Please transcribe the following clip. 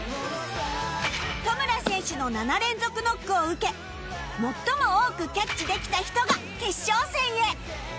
戸村選手の７連続ノックを受け最も多くキャッチできた人が決勝戦へ